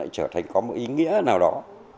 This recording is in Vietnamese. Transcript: thì có một ý nghĩa nào đó